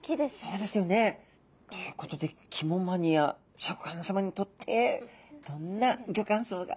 そうですよね。ということで肝マニアシャーク香音さまにとってどんなギョ感想が。